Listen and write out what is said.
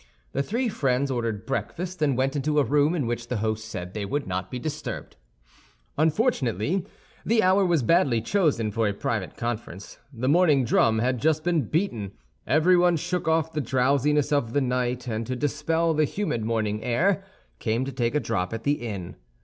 The three friends ordered breakfast, and went into a room in which the host said they would not be disturbed. Unfortunately, the hour was badly chosen for a private conference. The morning drum had just been beaten; everyone shook off the drowsiness of night, and to dispel the humid morning air, came to take a drop at the inn.